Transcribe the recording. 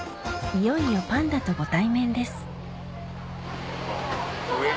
いよいよパンダとご対面です上や！